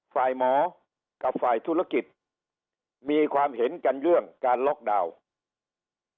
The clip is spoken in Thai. ฝ่ายหมอกับฝ่ายธุรกิจมีความเห็นกันเรื่องการล็อกดาวน์